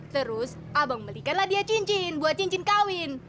terus abang belikanlah dia cincin buat cincin kawin